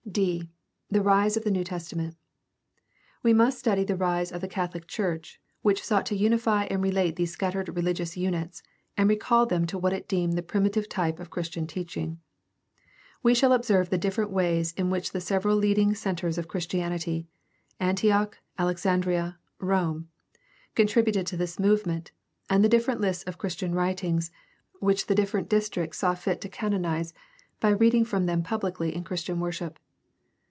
d) The rise of the New Testament. — ^We must study the rise of the Catholic church, which sought to unify and relate these scattered religious units and recall them to what it deemed the primitive type of Christian teaching. We shall observe the different ways in which the several leading centers of Christianity, Antioch, Alexandria, Rome, contributed to this movement, and the different lists of Christian writings, which the different districts saw fit to canonize by reading from them publicly in Christian worship.